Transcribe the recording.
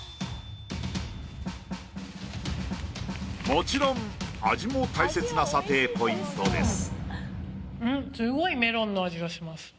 もちろん味も大切な査定ポイントです。